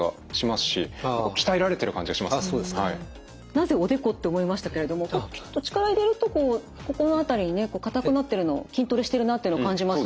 なぜおでこって思いましたけれどもキュッと力入れるとこうここの辺りにね硬くなってるの筋トレしてるなっていうの感じます。